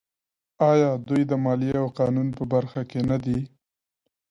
آیا دوی د مالیې او قانون په برخه کې نه دي؟